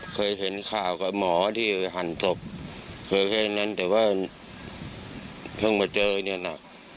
เคยเห็นข่าวกับหมอที่หั่นศพเคยแค่นั้นแต่ว่าเพิ่งมาเจอเนี่ยนะ